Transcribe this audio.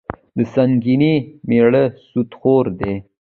د سنګینې میړه سودخور دي.